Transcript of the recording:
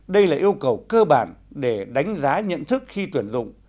đây là yêu cầu cơ bản để đánh giá nhận thức khi tuyển dụng